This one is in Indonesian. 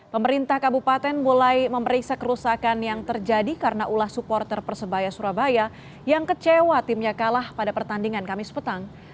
pemerintah kabupaten mulai memeriksa kerusakan yang terjadi karena ulah supporter persebaya surabaya yang kecewa timnya kalah pada pertandingan kamis petang